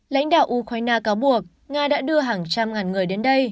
lãnh đạo ukraine cáo buộc nga đã đưa hàng trăm ngàn người đến đây